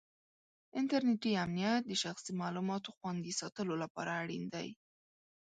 انټرنېټي امنیت د شخصي معلوماتو خوندي ساتلو لپاره اړین دی.